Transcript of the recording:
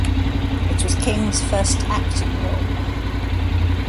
It was King's first acting role.